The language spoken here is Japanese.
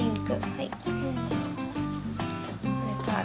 はい。